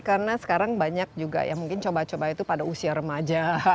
karena sekarang banyak juga yang mungkin coba coba itu pada usia remaja